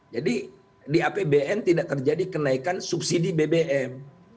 jadi di apbn tidak terjadi kenaikan subsidi bbm